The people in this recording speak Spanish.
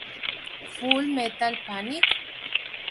Full Metal Panic?